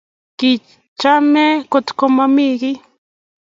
Kichame kot ko mami age